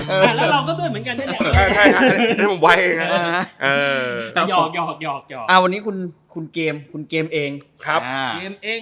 แล้วเราก็ด้วยเหมือนกัน